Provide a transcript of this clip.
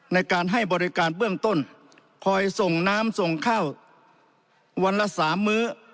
ในการให้บริการเบื้องต้นคอยส่งน้ำส่งข้าววันละสามมื้อ